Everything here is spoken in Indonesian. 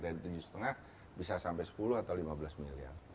dari tujuh lima bisa sampai sepuluh atau lima belas miliar